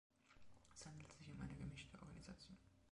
Es handelt sich um eine gemischte Organisation.